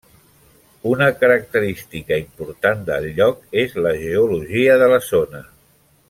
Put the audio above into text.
Una característica important del lloc és la geologia de la zona.